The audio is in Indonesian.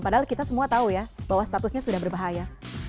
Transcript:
padahal kita semua tahu ya bahwa statusnya sudah berbahaya